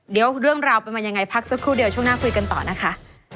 เดี๋ยวเรื่องราวเป็นมายังไงพักสักครู่เดียวช่วงหน้าคุยกันต่อนะคะ